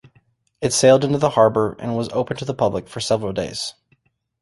It sailed into the harbour and was open to the public for several days.